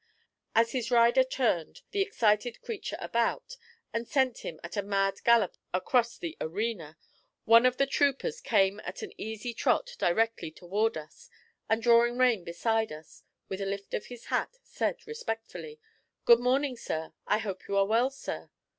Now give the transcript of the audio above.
As his rider turned the excited creature about, and sent him at a mad gallop across the arena, one of the troopers came at an easy trot directly toward us, and drawing rein beside us, with a lift of his hat, said respectfully: 'Good morning, sir. I hope you are well, sir.'